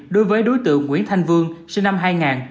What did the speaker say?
đối với đối tượng nguyễn thanh vương sinh năm hai nghìn